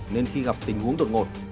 nên khi gặp tình huống đột ngột